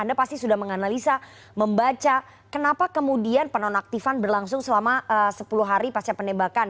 anda pasti sudah menganalisa membaca kenapa kemudian penonaktifan berlangsung selama sepuluh hari pasca penembakan